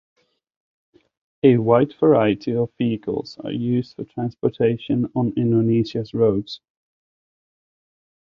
A wide variety of vehicles are used for transportation on Indonesia's roads.